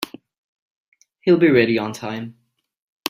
He'll be ready on time.